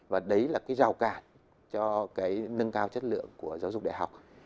và đấy là cái rào cản cho cái nâng cao chất lượng của giáo dục đại học